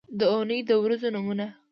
د اونۍ د ورځو نومونه